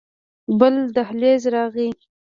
بل دهليز راغى.